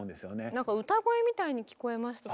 なんか歌声みたいに聞こえました。